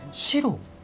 白？